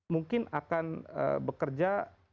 mungkin akan bekerja